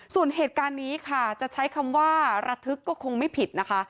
ส่วนเหตุการณ์นี้ค่ะจะใช้คำว่าระทึกก็คงไม่ผิดนะคะ